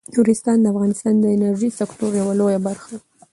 نورستان د افغانستان د انرژۍ د سکتور یوه لویه برخه ده.